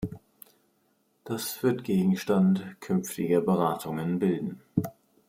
Das wird Gegenstand künftiger Beratungen bilden.